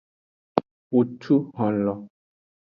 Wo cu honlo.